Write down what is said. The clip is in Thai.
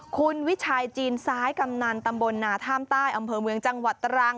คุณวิชัยจีนซ้ายกำนันตำบลนาท่ามใต้อำเภอเมืองจังหวัดตรัง